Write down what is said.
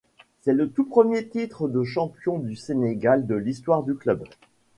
C'est le tout premier titre de champion du Sénégal de l'histoire du club.